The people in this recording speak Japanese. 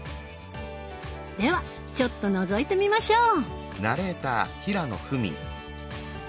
ではちょっとのぞいてみましょう。